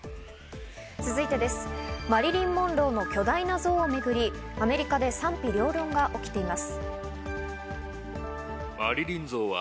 マリリン・モンローの巨大な像をめぐり、アメリカで賛否両論が起きています。